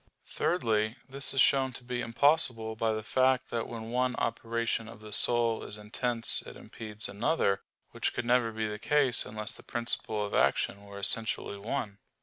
Thirdly, this is shown to be impossible by the fact that when one operation of the soul is intense it impedes another, which could never be the case unless the principle of action were essentially one.